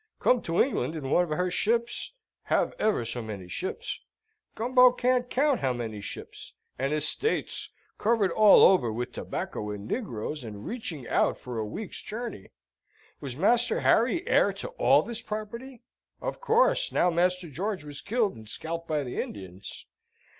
Came to England in one of her ships; have ever so many ships, Gumbo can't count how many ships; and estates, covered all over with tobacco and negroes, and reaching out for a week's journey. Was Master Harry heir to all this property? Of course, now Master George was killed and scalped by the Indians.